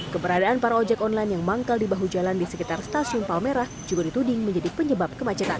keberadaan para ojek online yang manggal di bahu jalan di sekitar stasiun palmerah juga dituding menjadi penyebab kemacetan